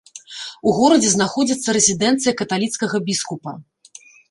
У горадзе знаходзіцца рэзідэнцыя каталіцкага біскупа.